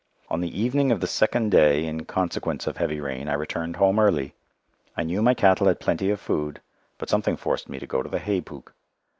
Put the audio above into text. On the evening of the second day, in consequence of heavy rain, I returned home early. I knew my cattle had plenty of food, but something forced me to go to the hay pook.